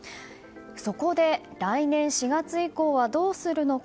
そこで来年４月以降はどうするのか。